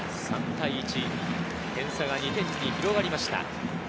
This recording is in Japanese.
３対１、点差が２点に広がりました。